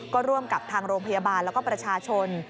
ก็ร่วมกับทางโรงพยาบาลแล้วก็ประชาชน